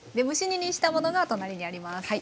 蒸し煮にしたものが隣にあります。